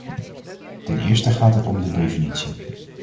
Ten eerste gaat het om de definitie.